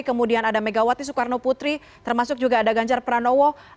kemudian ada megawati soekarno putri termasuk juga ada ganjar pranowo